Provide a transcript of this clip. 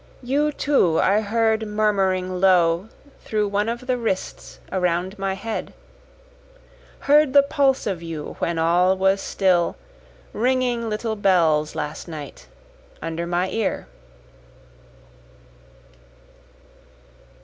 you too I heard murmuring low through one of the wrists around my head, Heard the pulse of you when all was still ringing little bells last night under my ear.